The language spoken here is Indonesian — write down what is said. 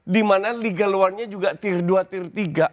dimana liga luarnya juga tir dua tir tiga